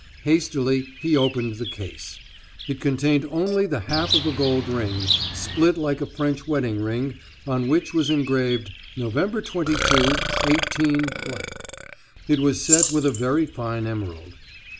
Hastily, he opened the case. It contained only the half of a gold ring, split like a French wedding ring, on which was engraved "November 22, 18 ." It was set with a very fine emerald.